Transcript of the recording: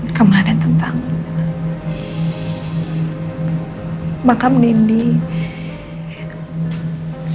gunah yeahi products